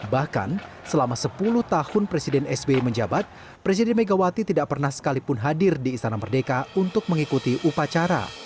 bahkan selama sepuluh tahun presiden sbi menjabat presiden megawati tidak pernah sekalipun hadir di istana merdeka untuk mengikuti upacara